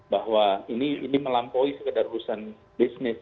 bahwa ini melampaui sekedar urusan bisnis